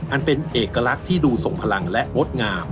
อันเป็นเอกลักษณ์ที่ดูส่งพลังและงดงาม